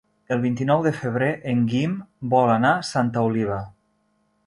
El vint-i-nou de febrer en Guim vol anar a Santa Oliva.